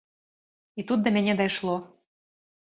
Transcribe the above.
І тут да мяне дайшло.